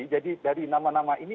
jadi dari nama nama ini